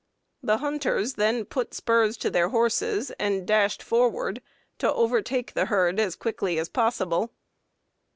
The hunters then put spurs to their horses and dashed forward to overtake the herd as quickly as possible.